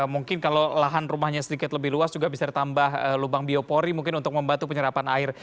mungkin kalau lahan rumahnya sedikit lebih luas juga bisa ditambah lubang biopori mungkin untuk membantu penyerapan air